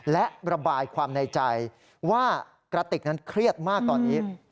และระบายความในใจว่ากระติกนั้นเครียดมากตอนนี้